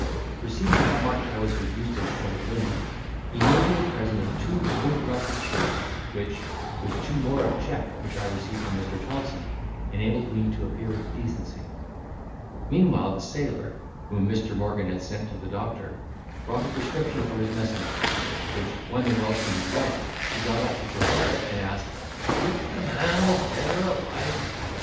Perceiving how much I was reduced in point of linen, he made me a present of two good ruffled shirts, which, with two more of check which I received from Mr. Thompson, enabled me to appear with decency. Meanwhile the sailor, whom Mr. Morgan had sent to the doctor, brought a prescription for his messmate, which when the Welshman had read, he got up to prepare it, and asked, "if the man was dead or alive."